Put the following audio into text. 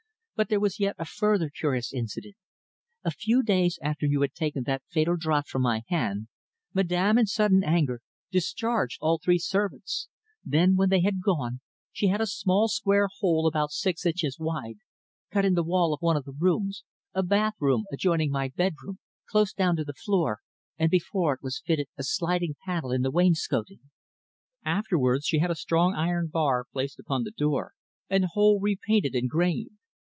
"But there was yet a further curious incident. A few days after you had taken that fatal draught from my hand, Madame, in sudden anger, discharged all three servants. Then, when they had gone, she had a small square hole about six inches wide cut in the wall of one of the rooms a bathroom adjoining my bedroom close down to the floor, and before it was fitted a sliding panel in the wainscoting. Afterwards she had a strong iron bar placed upon the door, and the whole re painted and grained.